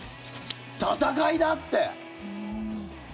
戦いだ！って。